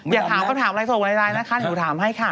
อยากถามคำถามอะไรโทรไว้ได้นะคะเนี่ยผมถามให้ค่ะ